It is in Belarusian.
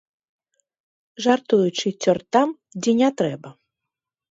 Жартуючы, цёр там, дзе не трэба.